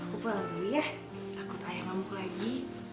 aku pulang dulu ya takut ayah mampu lagi